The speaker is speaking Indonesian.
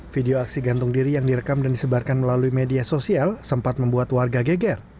video aksi gantung diri yang direkam dan disebarkan melalui media sosial sempat membuat warga geger